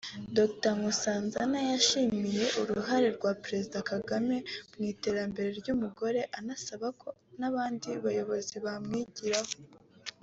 Dr Nkosazana yashimye uruhare rwa Perezida Kagame mu iterambere ry’umugore anasaba ko n’abandi bayobozi bamwigiraho